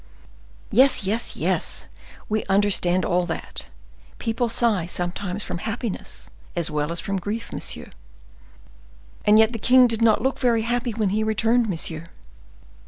"Yes, yes, yes; we understand all that; people sigh sometimes from happiness as well as from grief, monsieur." "And yet the king did not look very happy when he returned, monsieur."